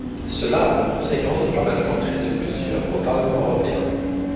Cela a pour conséquence de permettre l'entrée de plusieurs au Parlement européen.